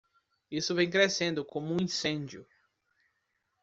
Isso vem crescendo como um incêndio!